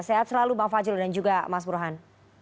sehat selalu bang fajrul dan juga mas burhan